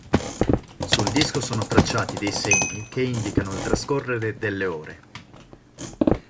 Sul disco sono tracciati dei segni che indicano il trascorrere delle ore.